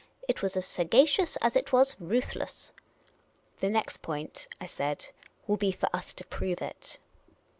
It was as sagacious as it was ruthless." " The next point," I said, " will be for us to prove it."